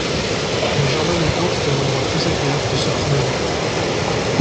Le jardin des plantes est un endroit très agréable pour se promener.